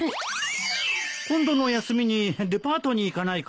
今度の休みにデパートに行かないか？